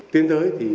tiến tới thì